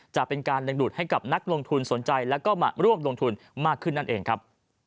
จะเป็นการดึงดูดให้กับนักลงทุนสนใจแล้วก็มาร่วมลงทุนมากขึ้นนั่นเองครับ